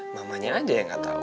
mamanya aja yang gak tahu